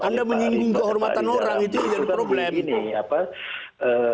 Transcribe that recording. anda menyinggung kehormatan orang itu jadi problem